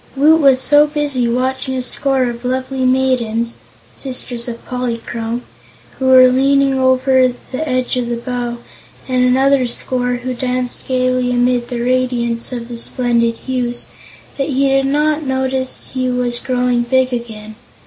Woot was so busy watching a score of lovely maidens sisters of Polychrome who were leaning over the edge of the bow, and another score who danced gaily amid the radiance of the splendid hues, that he did not notice he was growing big again.